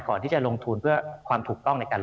คุณสินทะนันสวัสดีครับ